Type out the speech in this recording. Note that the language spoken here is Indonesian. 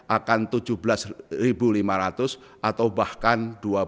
akan tujuh belas lima ratus atau bahkan dua belas